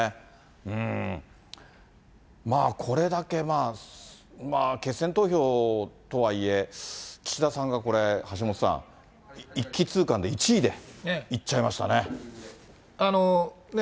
うーん、まぁ、これだけまぁ、決選投票とはいえ、岸田さんがこれ、橋下さん、一気通過で１位でいっちゃいましたね。